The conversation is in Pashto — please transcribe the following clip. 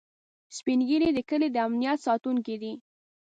سپین ږیری د کلي د امنيت ساتونکي دي